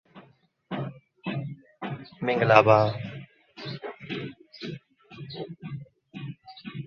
A collection of glosses is a glossary.